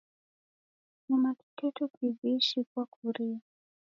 Kushoma kiteto kiwishi kwakurie.